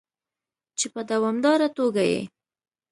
چې په دوامداره توګه یې